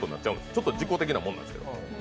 ちょっと事故的なものなんですけど。